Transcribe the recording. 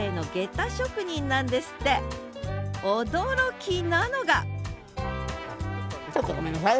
驚きなのがちょっとごめんなさい。